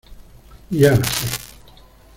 ya la sé.